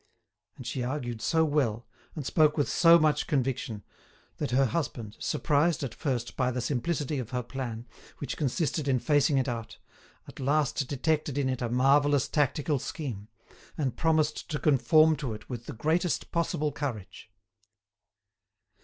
And she argued so well, and spoke with so much conviction, that her husband, surprised at first by the simplicity of her plan, which consisted in facing it out, at last detected in it a marvellous tactical scheme, and promised to conform to it with the greatest possible courage.